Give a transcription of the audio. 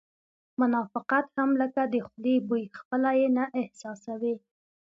منافقت هم لکه د خولې بوی خپله یې نه احساسوې